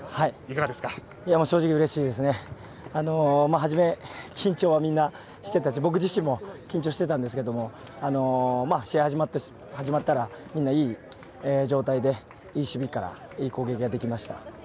初め、緊張はみんなしていたし、僕自身も緊張していたんですが試合始まったらみんないい状態でいい守備からいい攻撃ができました。